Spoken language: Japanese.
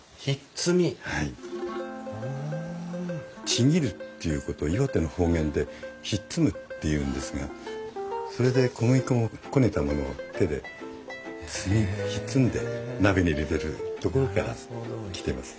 ちぎるっていうことを岩手の方言でひっつむっていうんですがそれで小麦粉をこねたものを手でひっつんで鍋に入れてるところから来てます。